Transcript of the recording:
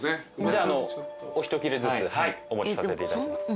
じゃあお一切れずつお持ちさせていただきます。